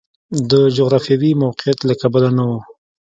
د جغرافیوي موقعیت له کبله نه و.